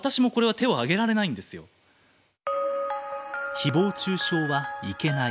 ひぼう中傷はいけない。